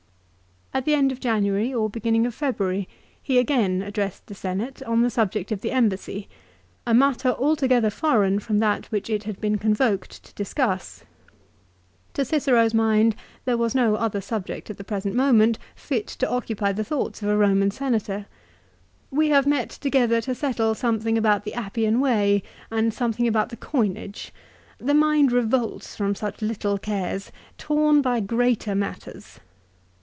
l At the end of January or beginning of February he again addressed the Senate, on the subject of the embassy, a matter altogether foreign from that which it had been convoked to discuss. To Cicero's mind there was no other subject at the present moment fit to occupy the thoughts of a Roman Senator. " We have met together to settle some thing about the Appian way, and something about the coinage. The mind revolts from such little cares, torn by greater matters."